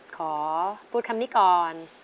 ขอพูดคำนี้ก่อน